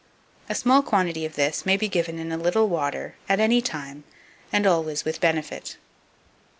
A small quantity of this may be given in a little water at any time, and always with benefit.